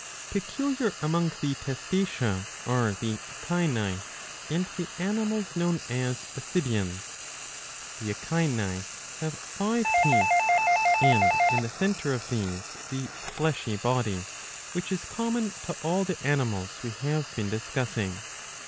^* Peculiar among the Testacea are the Echini and the animals known as Ascidians.^ The Echini have five teeth,^ and in the centre of these the fleshy body,'"'^ which is common to all the animals we have been discussing.